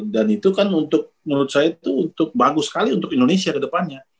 dan itu kan menurut saya itu untuk bagus sekali untuk indonesia ke depannya